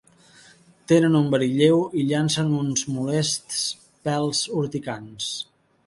Tenen un verí lleu i llancen uns molests pèls urticants.